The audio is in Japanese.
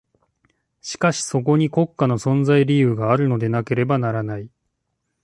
しかしそこに国家の存在理由があるのでなければならない。